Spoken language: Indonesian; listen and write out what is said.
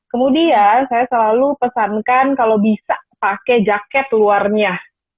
kemudian saya selalu pesankan kalau bisa pakai jaket luarnya